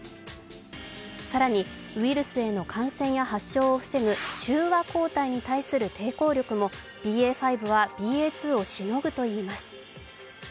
更にウイルスへの感染や発症を防ぐ中和抗体に対する抵抗力もＢＡ．５はＢＡ．２をしのぐといいます。